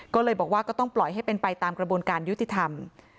ก็เลยบอกว่าก็ต้องปล่อยให้เป็นไปตามกระบวนการยุติธรรม